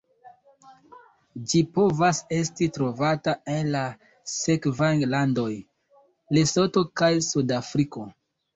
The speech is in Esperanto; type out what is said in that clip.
Ĝi povas esti trovata en la sekvaj landoj: Lesoto kaj Sudafriko.